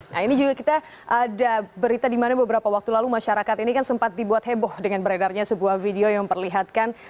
nah ini juga kita ada berita di mana beberapa waktu lalu masyarakat ini kan sempat dibuat heboh dengan beredarnya sebuah video yang memperlihatkan